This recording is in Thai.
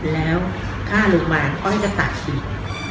แล้วข้ารือบร้านอ้อยจะตัดอีก